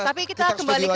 tapi kita kembalikan dulu ya